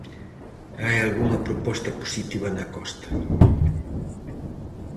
Hai algunha proposta positiva na Costa.